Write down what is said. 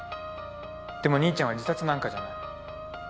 でも兄ちゃんは自殺なんかじゃない。